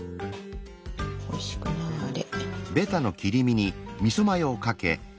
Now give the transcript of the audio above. おいしくなれ。